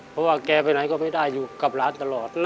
เพราะว่าแกไปไหนก็ไม่ได้อยู่กับหลานตลอด